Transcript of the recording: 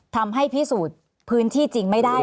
ทำให้พิสูจน์พื้นที่จริงไม่ได้